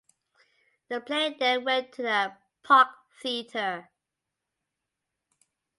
The play then went to the Park Theatre.